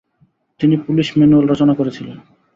তিনি “police manual” রচনা করেছিলেন।